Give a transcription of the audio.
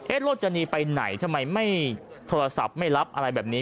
รถจะหนีไปไหนทำไมไม่โทรศัพท์ไม่รับอะไรแบบนี้